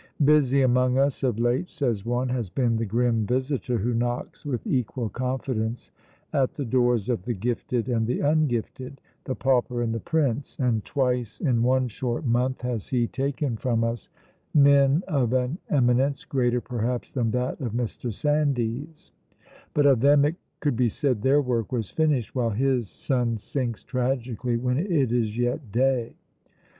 "Busy among us of late," says one, "has been the grim visitor who knocks with equal confidence at the doors of the gifted and the ungifted, the pauper and the prince, and twice in one short month has he taken from us men of an eminence greater perhaps than that of Mr. Sandys; but of them it could be said their work was finished, while his sun sinks tragically when it is yet day.